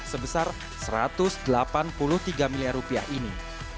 sebesar satu ratus delapan puluh tiga miliar rupiah ini